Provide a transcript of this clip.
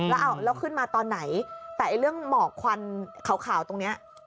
แล้วขึ้นมาตอนไหนแต่เรื่องหมอกควันขาวตรงนี้